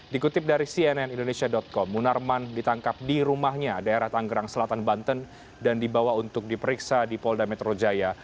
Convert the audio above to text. dikutip dari cnn indonesia com munarman ditangkap di rumahnya daerah tanggerang selatan banten dan dibawa untuk diperiksa di polda metro jaya